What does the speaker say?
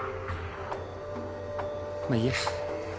まあいいや。